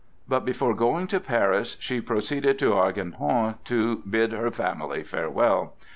But before going to Paris she proceeded to Argentan to bid her family farewell.